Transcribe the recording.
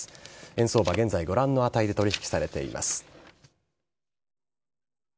円相場現在ご覧の値で取引されています。